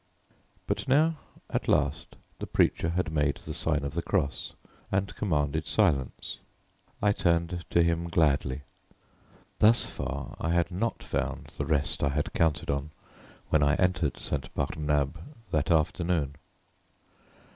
But now, at last, the preacher had made the sign of the cross, and commanded silence. I turned to him gladly. Thus far I had not found the rest I had counted on when I entered St. Barnabé that afternoon.